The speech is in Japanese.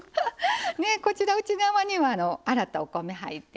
こちら内側には洗ったお米入ってます。